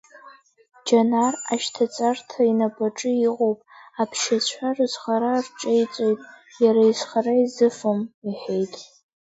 Џьанар ашьҭаҵарҭа инапаҿы иҟоуп, аԥсшьацәа рызхара рҿеиҵоит, иара изхара изыфом, — иҳәеит.